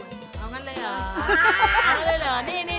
เอางั้นเลยเหรอ